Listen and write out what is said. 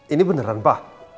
ini beneran pa